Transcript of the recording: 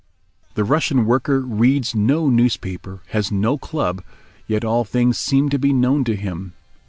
The Russian worker reads no newspaper, has no club, yet all things seem to be known to him.